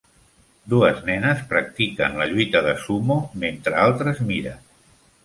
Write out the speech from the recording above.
Dues nenes practiquen la lluita de sumo mentre altres miren.